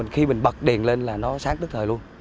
khi mình bật đèn lên là nó sáng tức thời luôn